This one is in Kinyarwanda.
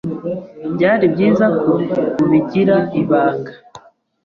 Byari byiza ko ubigira ibanga.